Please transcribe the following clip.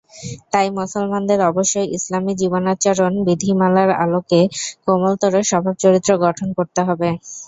তাই মুসলমানদের অবশ্যই ইসলামি জীবনাচরণ বিধিমালার আলোকে কোমলতর স্বভাব-চরিত্র গঠন করতে হবে।